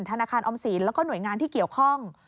ธนาคารออมสินแล้วก็หน่วยงานที่เกี่ยวข้อง